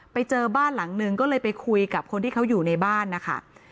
ไปเจอบ้านหลังนึงก็เลยไปคุยกับคนที่เขาอยู่ในบ้านนะคะ